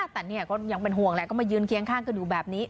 แต่เนี่ยก็ยังเป็นห่วงแหละก็มายืนเคียงข้างกันอยู่แบบนี้